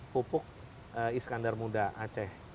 pupuk iskandar muda aceh